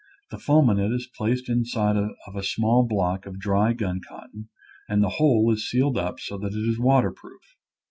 The fulminate is placed inside of a small block of dry gun cotton and the whole is sealed up so that it is waterproof.